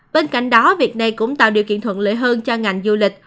bên cạnh đó việc này cũng tạo điều kiện thuận lợi hơn cho ngành du lịch